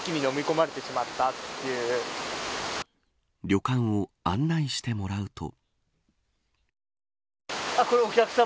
旅館を案内してもらうと。